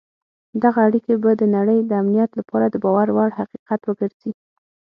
دغه اړیکي به د نړۍ د امنیت لپاره د باور وړ حقیقت وګرځي.